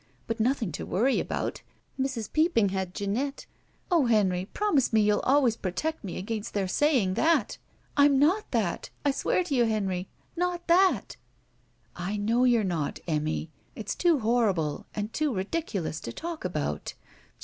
But nothing to worry about.. Mrs. Peopping had Jeanette — Oh, Henry promise me you'll always protect me against their saying that! I'm not that — I swear to you, Henry — not that!" "I know you're not, Emmy. It's too horrible and too ridiculous to talk about.